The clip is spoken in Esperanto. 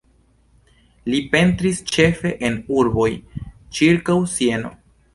Li pentris ĉefe en urboj ĉirkaŭ Sieno.